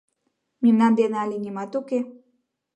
Мемнан дене але нимат уке.